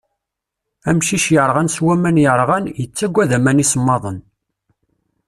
Amcic yerɣan s waman yerɣan, yettagad aman isemmaḍen.